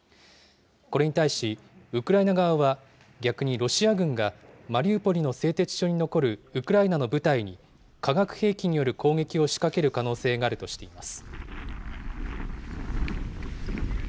これに対しウクライナ側は、逆にロシア軍がマリウポリの製鉄所に残るウクライナの部隊に、化学兵器による攻撃を仕掛ける可能性があるとしています。